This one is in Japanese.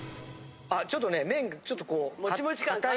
あちょっとね麺ちょっとこうかたい。